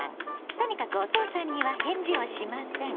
とにかくお父さんには返事をしません。